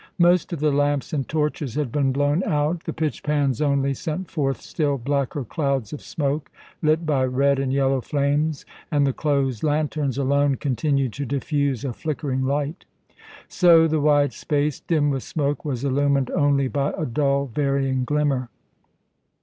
Most of the lamps and torches had been blown out, the pitch pans only sent forth still blacker clouds of smoke, lit by red and yellow flames, and the closed lanterns alone continued to diffuse a flickering light. So the wide space, dim with smoke, was illumined only by a dull, varying glimmer.